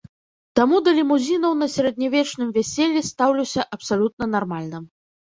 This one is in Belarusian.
Таму да лімузінаў на сярэднявечным вяселлі стаўлюся абсалютна нармальна.